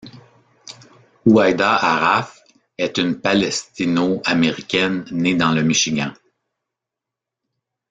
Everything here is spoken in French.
Huwaida Arraf est une palestino-américaine née dans le Michigan.